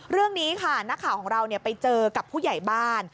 เรื่องนี้ค่ะนักข่าวของเราไปเจอกับผู้ใหญ่บ้าน